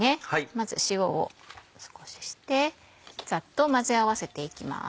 まず塩を少ししてざっと混ぜ合わせていきます。